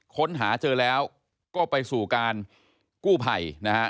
ค้นหาเจอแล้วก็ไปสู่การกู้ภัยนะฮะ